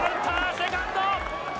セカンド！